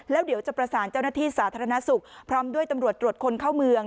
แล้วเดี๋ยวจะประสานเจ้าหน้าที่สาธารณสุขพร้อมด้วยตำรวจตรวจคนเข้าเมือง